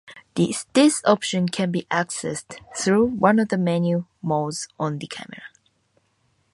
This option can be accessed through one of the menu modes on the camera.